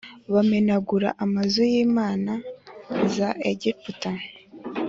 Bamenagura amazu y’imana za Egiputa